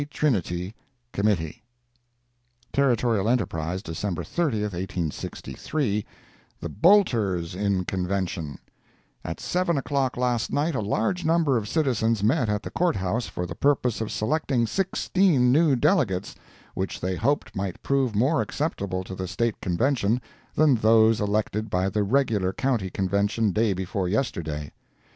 TRINITY, Committee. Territorial Enterprise, December 30, 1863 THE BOLTERS IN CONVENTION AT 7 o'clock last night a large number of citizens met at the Court House for the purpose of selecting sixteen new delegates, which they hoped might prove more acceptable to the State Convention than those elected by the regular County Convention day before yesterday.